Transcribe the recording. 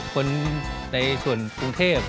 คนในส่วนกรุงเทพ